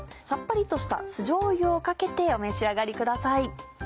さっぱりとした酢じょうゆをかけてお召し上がりください。